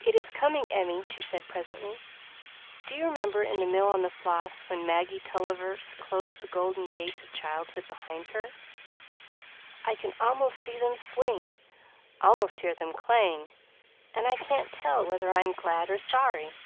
"It is coming, Emmie," she said presently; "do you remember in The Mill on the Floss, when Maggie Tulliver closed the golden gates of childhood behind her? I can almost see them swing; almost hear them clang; and I can't tell whether I am glad or sorry."